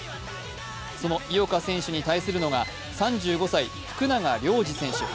その井岡選手に対するのが３５歳、福永亮次選手。